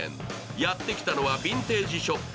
やってきたのはビンテージショップ